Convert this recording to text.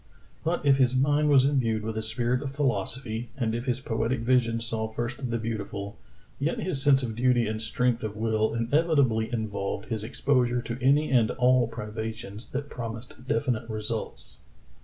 But if his mind was imbued with a spirit of philosophy, and if his poetic vision saw first the beautiful, yet his sense of duty and strength of will inevitably involved his exposure to any and all privations that promised definite results.